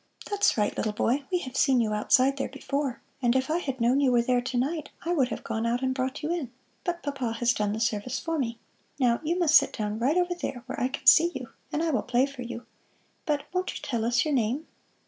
"That's right, little boy, we have seen you outside there before, and if I had known you were there tonight, I would have gone out and brought you in; but Papa has done the service for me. Now, you must sit down right over there where I can see you, and I will play for you. But won't you tell us your name?"